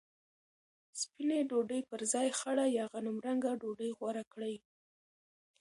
سپینه ډوډۍ پر ځای خړه یا غنمرنګه ډوډۍ غوره کړئ.